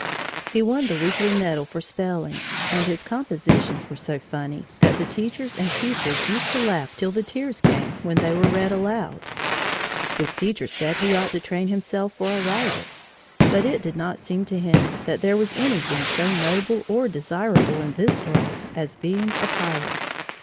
He won the weekly medal for spelling, and his compositions were so funny that the teachers and pupils used to laugh till the tears came, when they were read aloud. His teachers said he ought to train himself for a writer, but it did not seem to him that there was anything so noble or desirable in this world as being a pilot.